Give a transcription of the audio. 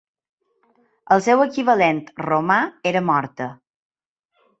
El seu equivalent romà era Morta.